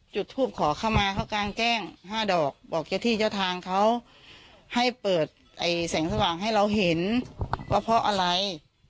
จุดทูปขอเข้ามาเขากลางแจ้ง๕ดอกบอกเจ้าที่เจ้าทางเขาให้เปิดแสงสว่างให้เราเห็นว่าเพราะอะไร